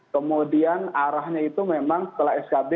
kemudian arahnya itu memang setelah skb